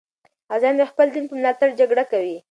غازیان د خپل دین په ملاتړ جګړه کوي.